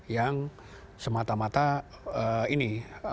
yang semata mata ini